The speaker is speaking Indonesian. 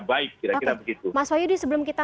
baik mas wayudi sebelum kita